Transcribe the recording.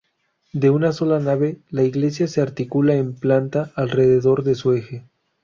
De una sola nave, la iglesia se articula en planta alrededor de su eje.